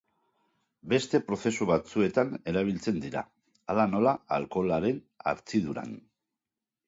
Beste prozesu batzuetan erabiltzen dira, hala nola alkoholaren hartziduran.